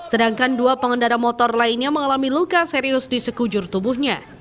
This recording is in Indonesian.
sedangkan dua pengendara motor lainnya mengalami luka serius di sekujur tubuhnya